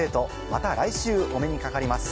また来週お目にかかります。